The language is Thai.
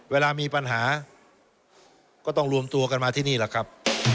เวลามีปัญหาก็ต้องรวมตัวกันมาที่นี่แหละครับ